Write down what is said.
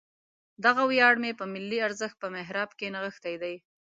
دغه ویاړ مې په ملي ارزښت په محراب کې نغښتی دی.